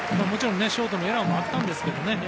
もちろんショートのエラーもあったんですけどね。